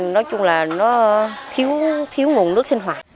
nói chung là nó thiếu nguồn nước sinh hoạt